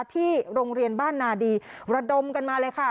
ที่โรงเรียนบ้านนาดีระดมกันมาเลยค่ะ